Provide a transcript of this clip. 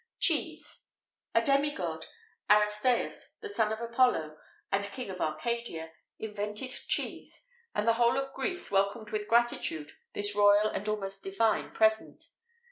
[XVIII 38] CHEESE. A demi god, Aristæus, the son of Apollo, and King of Arcadia, invented cheese,[XVIII 39] and the whole of Greece welcomed with gratitude this royal and almost divine present.